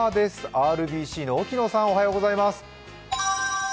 ＲＢＣの沖野さん、おはようございます。